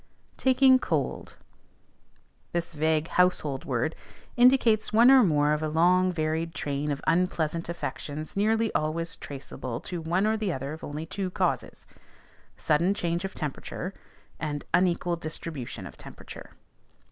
"TAKING COLD." This vague "household word" indicates one or more of a long varied train of unpleasant affections nearly always traceable to one or the other of only two causes, sudden change of temperature, and unequal distribution of temperature.